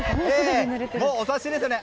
もうお察しですよね